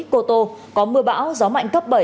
cô tô có mưa bão gió mạnh cấp bảy